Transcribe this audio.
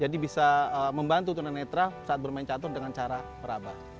jadi bisa membantu tunar netra saat bermain catur dengan cara peraba